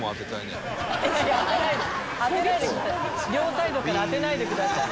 両サイドから当てないでください。